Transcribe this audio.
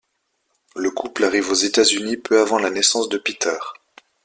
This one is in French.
Le couple arrive aux États-Unis peu avant la naissance de Peter.